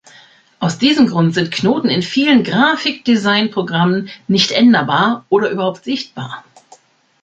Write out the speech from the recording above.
Aus diesem Grund sind Knoten in vielen Graphik-Design-Programmen nicht änderbar oder überhaupt sichtbar.